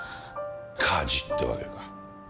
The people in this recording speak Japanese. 火事ってわけか。